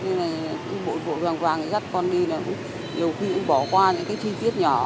như này bội bội vàng vàng gắt con đi là cũng nhiều khi cũng bỏ qua những cái chi tiết nhỏ